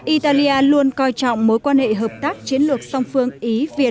italia luôn coi trọng mối quan hệ hợp tác chiến lược song phương ý việt